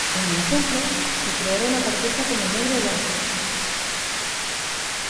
En el ejemplo se creará una carpeta con el nombre del artista